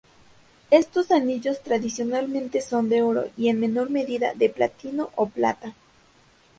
Estos anillos tradicionalmente son de oro y en menor medida de platino o plata.